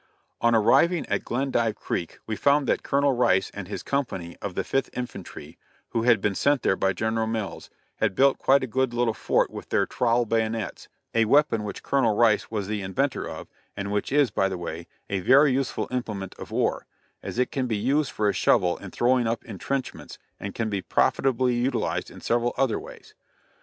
On arriving at Glendive Creek we found that Colonel Rice and his company of the Fifth Infantry, who had been sent there by General Mills, had built quite a good little fort with their trowel bayonets a weapon which Colonel Rice was the inventor of, and which is, by the way, a very useful implement of war, as it can be used for a shovel in throwing up intrenchments and can be profitably utilized in several other ways.